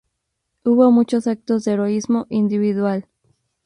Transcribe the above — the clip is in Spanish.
Hubo muchos actos de heroísmo individual.